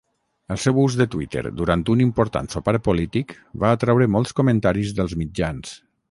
El seu ús de Twitter durant un important sopar polític va atraure molts comentaris dels mitjans.